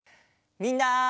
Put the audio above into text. みんな！